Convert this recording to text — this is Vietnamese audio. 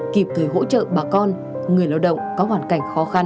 kịp thời hỗ trợ bà con người lao động có hoàn cảnh khó khăn